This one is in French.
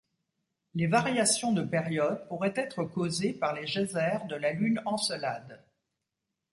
Les variations de période pourraient être causées par les geysers de la lune Encelade.